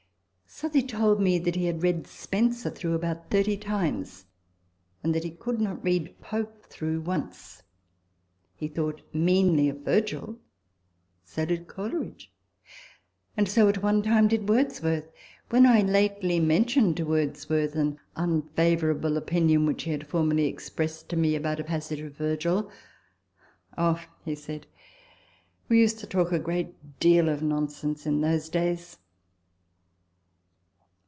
Southey told me that he had read Spenser through about thirty times, and that he could not read Pope through once. He thought meanly of Virgil ; so did Coleridge ; and so, at one time, did Wordsworth. When I lately mentioned to Wordsworth an un favourable opinion which he had formerly expressed 160 RECOLLECTIONS OF THE to me about a passage of Virgil, " Oh," he said, " we used to talk a great deal of nonsense in those days."